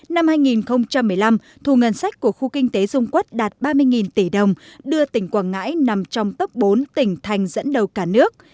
năm hai nghìn một mươi năm thu ngân sách của khu kinh tế dung quốc đạt ba mươi tỷ đồng đưa tỉnh quảng ngãi nằm trong tốc bốn tỉnh thành dẫn đầu cả nước